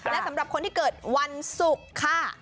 และสำหรับคนที่เกิดวันศุกร์ค่ะ